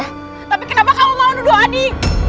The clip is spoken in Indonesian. tapi kenapa kamu mau nuduh adi